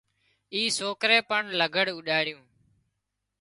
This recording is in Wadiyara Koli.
اي سوڪري پڻ لگھڙ اوڏاڙيون